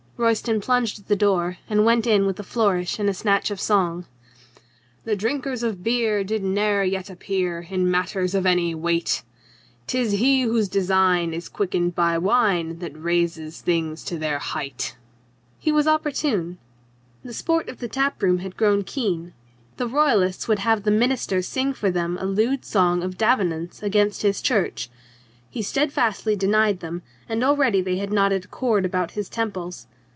Royston plunged at the door and went in with a flourish and a snatch of song. The drinkers of beer Did ne'er yet appear In matters of any weight ! 'Tis he whose design Is quickened by wine That raises things to their height. He was opportune. The sport of the tap room had grown keen. The Royalists would have the minister sing for them a lewd song of Davenant's against his church. He steadfastly denied them, and already they had a knotted cord about his temples.